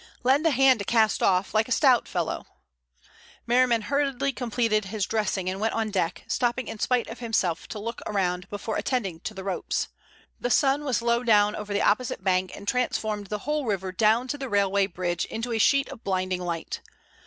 "Lend a hand to cast off, like a stout fellow." Merriman hurriedly completed his dressing and went on deck, stopping in spite of himself to look around before attending to the ropes. The sun was low down over the opposite bank, and transformed the whole river down to the railway bridge into a sheet of blinding light.